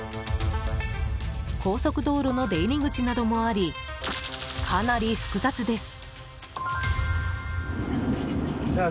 高速道路の出入り口などもありかなり複雑です。